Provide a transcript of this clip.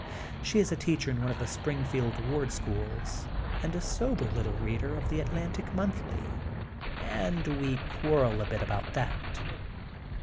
She is a teacher in one of the Springfield ward schools, and a sober little reader of The Atlantic Monthly, and we quar rel a bit about that.